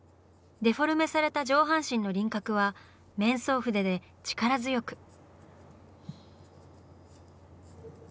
デフォルメされた上半身の輪郭は面相筆で力強く。